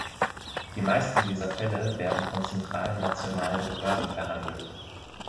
Die meisten dieser Fälle werden von zentralen nationalen Behörden verhandelt.